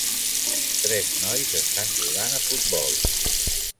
Tres nois estan jugant a futbol